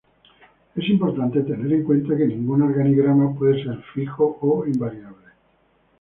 Es importante tener en cuenta que ningún organigrama puede ser fijo o invariable.